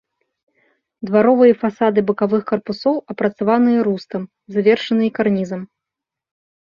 Дваровыя фасады бакавых карпусоў апрацаваныя рустам, завершаныя карнізам.